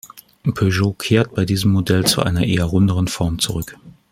Peugeot kehrt bei diesem Modell zu einer eher runderen Form zurück.